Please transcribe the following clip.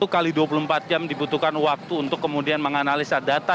satu x dua puluh empat jam dibutuhkan waktu untuk kemudian menganalisa data